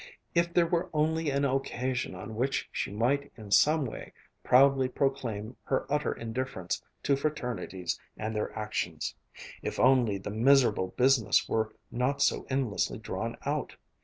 If there were only an occasion on which she might in some way proudly proclaim her utter indifference to fraternities and their actions! If only the miserable business were not so endlessly drawn out!